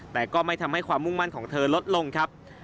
แต่ก็ไม่ทำให้ความมุ่งมั่นของเธอลดลงครับ